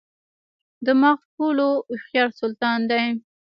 دماغ ټولو هوښیار سلطان دی.